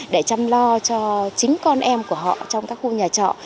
để chăm lo cho chính con em của họ trong các khu nhà trọ